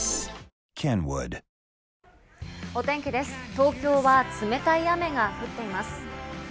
東京は冷たい雨が降っています。